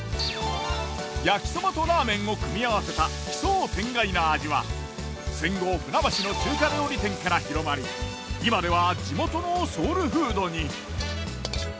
焼きそばとラーメンを組み合わせた奇想天外な味は戦後船橋の中華料理店から広まり今では地元のソウルフードに。